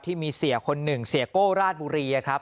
ที่มีเสียคนหนึ่งเสียโก้ราชบุรีครับ